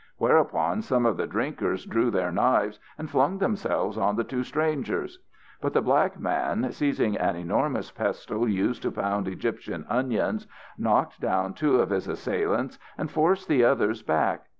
Whereupon some of the drinkers drew their knives and flung themselves on the two strangers. But the black man, seizing an enormous pestle used to pound Egyptian onions, knocked down two of his assailants and forced the others back.